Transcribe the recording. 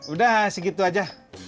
udah segitu aja